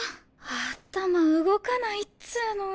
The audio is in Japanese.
頭動かないっつぅの。